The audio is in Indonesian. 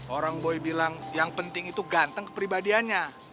orang boy bilang yang penting itu ganteng kepribadiannya